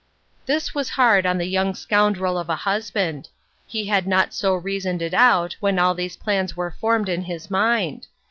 This was hard on the young scoundrel of a husband ; he had not so reasoned it out, when all these plans were formed in his mind.